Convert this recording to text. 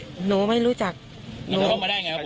รู้ไม่รู้จักรู้ไม่รู้จักครับแล้วเข้ามาได้อย่างไรครับผม